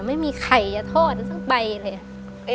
ไม่มีไข่อย่าโทษจะส้นไปเลย